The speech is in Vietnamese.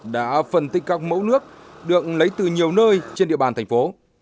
đã phân tích các mẫu nước được lấy từ nhiều nơi trên địa bàn thành phố